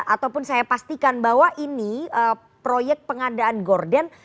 ataupun saya pastikan bahwa ini proyek pengadaan gorden